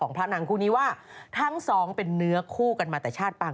โอลี่คัมรี่ยากที่ใครจะตามทันโอลี่คัมรี่ยากที่ใครจะตามทัน